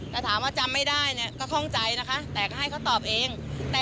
ถ้าถามว่าจำไม่ได้นี่ก็คงใจนะคะแต่ให้เค้าตอบเอง